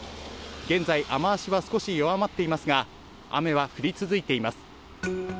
現在、雨脚は少し弱まっていますが雨は降り続いています。